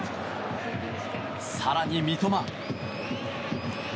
更に三笘。